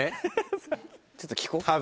ちょっと聞こう。